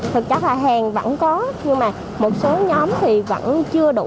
thực chất là hàng vẫn có nhưng mà một số nhóm thì vẫn chưa đủ